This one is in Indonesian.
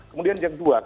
kemudian yang dua